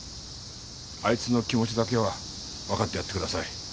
あいつの気持ちだけはわかってやってください。